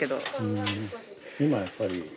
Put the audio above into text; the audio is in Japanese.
今やっぱり。